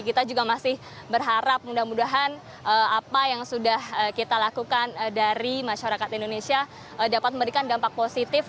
kita juga masih berharap mudah mudahan apa yang sudah kita lakukan dari masyarakat indonesia dapat memberikan dampak positif